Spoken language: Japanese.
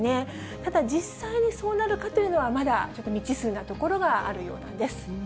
ただ、実際にそうなるかというのは、まだちょっと未知数なところがあるようなんです。